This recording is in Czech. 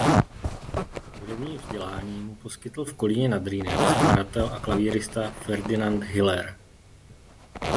Hudební vzdělání mu poskytl v Kolíně nad Rýnem skladatel a klavírista Ferdinand Hiller.